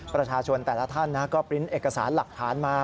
ประชาชนแต่ละท่านก็ปริ้นต์เอกสารหลักฐานมา